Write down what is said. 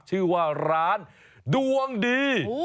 ชื่อว่าร้านดวงดี